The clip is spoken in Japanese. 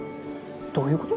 どういう事？